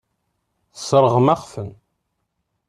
Tesseṛɣem-aɣ-ten.